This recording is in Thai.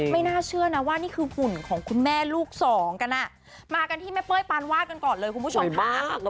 ไม่น่าเชื่อนะว่านี่คือหุ่นของคุณแม่ลูกสองกันอ่ะมากันที่แม่เป้ยปานวาดกันก่อนเลยคุณผู้ชมค่ะ